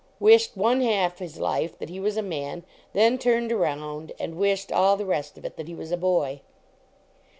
Wished one half his life that he was a man. Then turned around and wished all the rest of it that he was a boy.